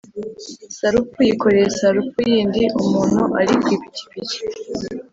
Sarupfu yikoreye Sarupfu yindi-Umuntu uri ku ipikipiki.